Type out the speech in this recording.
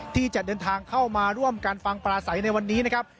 ที่จะเดินทางเข้ามาร่วมกันฟังปลาใสในวันนี้นะครับ